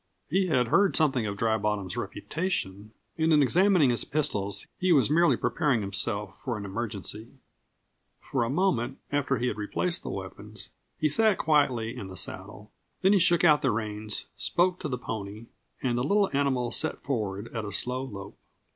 He had heard something of Dry Bottom's reputation and in examining his pistols he was merely preparing himself for an emergency. For a moment after he had replaced the weapons he sat quietly in the saddle. Then he shook out the reins, spoke to the pony, and the little animal set forward at a slow lope.